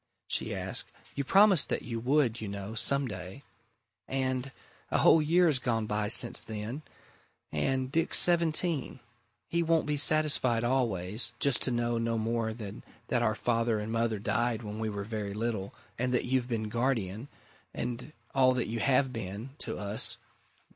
she asked. "You promised that you would, you know, some day. And a whole year's gone by since then. And Dick's seventeen! He won't be satisfied always just to know no more than that our father and mother died when we were very little, and that you've been guardian and all that you have been! to us.